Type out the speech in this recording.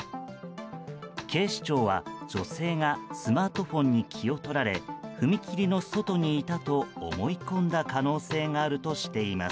警視庁は女性がスマートフォンに気をとられ踏切の外にいたと思い込んだ可能性があるとしています。